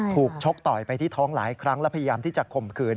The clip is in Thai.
ชกต่อยไปที่ท้องหลายครั้งและพยายามที่จะข่มขืน